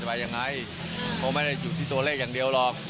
มายังไงคงไม่ได้อยู่ที่ตัวเลขอย่างเดียวหรอก